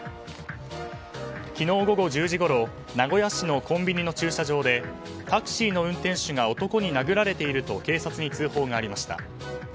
昨日午後１０時ごろ名古屋市のコンビニの駐車場でタクシーの運転手が男に殴られていると警察に通報がありました。